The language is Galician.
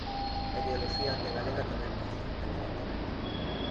A ideoloxía antigalega tamén pesa, evidentemente.